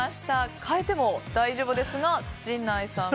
変えても大丈夫ですが陣内さん。